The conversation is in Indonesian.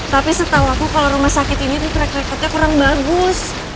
tapi setau aku kalo rumah sakit ini rek rekotnya kurang bagus